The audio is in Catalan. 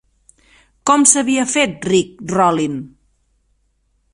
Com s'havia fet ric Rolin?